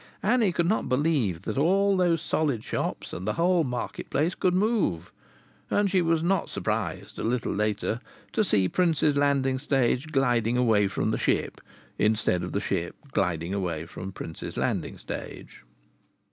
Annie could not believe that all those solid shops and the whole market place could move. And she was not surprised, a little later, to see Prince's Landing Stage sliding away from the ship, instead of the ship sliding away from Prince's Landing Stage.